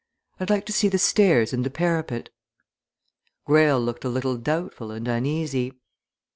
"I'd like to see the stairs and the parapet." Greyle looked a little doubtful and uneasy.